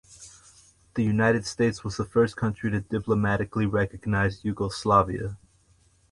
The United States was the first country to diplomatically recognize Yugoslavia.